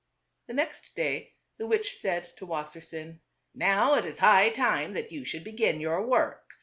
The next day the witch said to Wassersein, " Now it is high time that you should begin your work.